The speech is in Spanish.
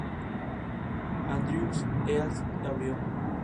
Está zona está dedicada a huertas y zonas verdes y de esparcimiento.